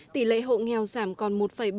tỷ lệ hộ nghèo giảm còn một bảy mươi năm